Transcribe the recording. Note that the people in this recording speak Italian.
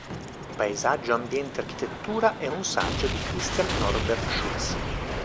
Paesaggio ambiente architettura è un saggio di Christian Norberg-Schulz.